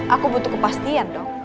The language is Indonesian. aku butuh kepastian dong